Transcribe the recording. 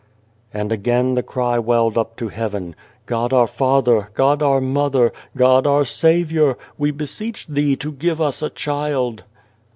And again the cry welled up to heaven : "God our Father, God our Mother, God our Saviour, we beseech Thee to give us a child."